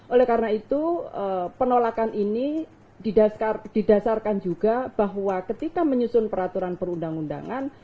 oleh karena itu penolakan ini didasarkan juga bahwa ketika menyusun peraturan perundang undangan